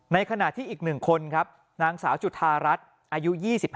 ในขณะที่อีก๑คนครับนางสาวจุธารัฐอายุ๒๕